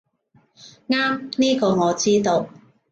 啱，呢個我知道